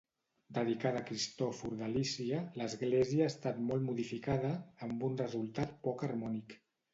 Dedicada a Cristòfor de Lícia, l'església ha estat molt modificada, amb un resultat poc harmònic.